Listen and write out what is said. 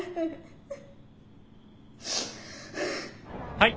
はい。